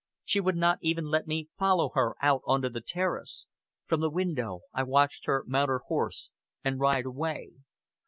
She would not even let me follow her out onto the terrace; from the window I watched her mount her horse and ride away.